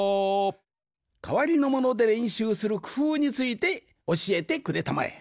かわりのものでれんしゅうするくふうについておしえてくれたまえ。